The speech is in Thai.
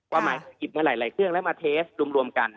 หมายหยิบมาหลายเครื่องแล้วมาเทสรวมกัน